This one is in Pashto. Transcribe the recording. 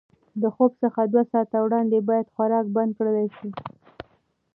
د خوب څخه دوه ساعته وړاندې باید خوراک بند کړل شي.